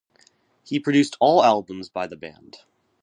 He produced all albums by the band.